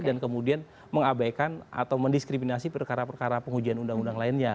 dan kemudian mengabaikan atau mendiskriminasi perkara perkara pengujian undang undang lainnya